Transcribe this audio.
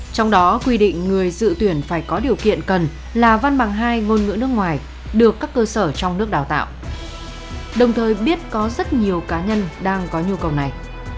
trong đó quy định người dự tuyển phải có điều kiện cần là văn bằng hai ngôn ngữ nước ngoài được các cơ sở trong nước đào tạo đồng thời biết có rất nhiều cá nhân đang có nhu cầu này